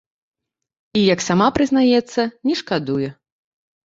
І, як сама прызнаецца, не шкадуе.